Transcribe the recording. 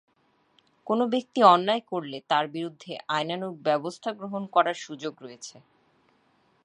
কোনো ব্যক্তি অন্যায় করলে তাঁর বিরুদ্ধে আইনানুগ ব্যবস্থা গ্রহণ করার সুযোগ রয়েছে।